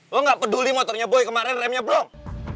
gue gak peduli motornya boy kemarin remnya blong